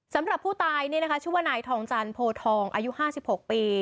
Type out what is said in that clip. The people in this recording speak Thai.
สำหรับผู้ตายชื่อว่านายทองจันทร์โพทองอายุ๕๖ปี